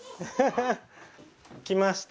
来ました。